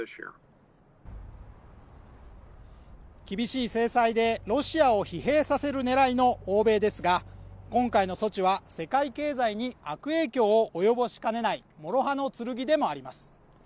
厳しい制裁でロシアを疲弊させる狙いの欧米ですが今回の措置は世界経済に悪影響を及ぼしかねない諸刃の剣でもあります